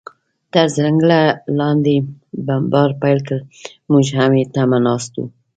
تر ځنګله لاندې بمبار پیل کړ، موږ یې هم تمه ناست و.